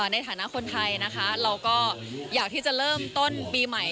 ในฐานะคนไทยนะคะเราก็อยากที่จะเริ่มต้นปีใหม่